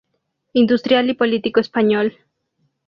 Industrial y político español.